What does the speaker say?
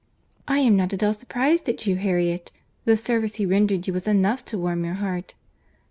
"I am not at all surprized at you, Harriet. The service he rendered you was enough to warm your heart."